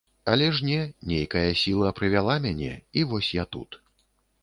Аж не, нейкая сіла прывяла мяне, і вось я тут.